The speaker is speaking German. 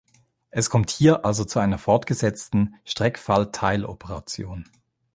Es kommt hier also zu einer fortgesetzten Streck-Falt-Teil-Operation.